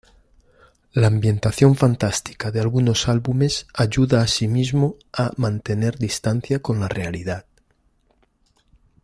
La ambientación fantástica de algunos álbumes ayuda asimismo a mantener distancia con la realidad.